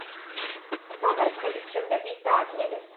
დამარცხების შემდეგ ის დაატყვევეს.